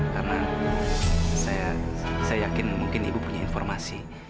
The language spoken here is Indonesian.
karena saya yakin mungkin ibu punya informasi